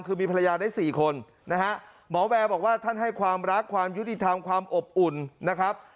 คือมีภรรยาได้สี่คนนะฮะหมอแวร์บอกว่าท่านให้ความรักความยุติธรรมความอบอุ่นนะครับ